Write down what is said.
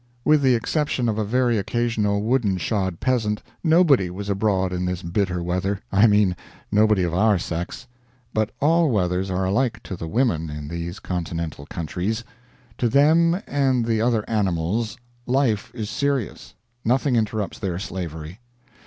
"With the exception of a very occasional woodenshod peasant, nobody was abroad in this bitter weather I mean nobody of our sex. But all weathers are alike to the women in these continental countries. To them and the other animals, life is serious; nothing interrupts their slavery.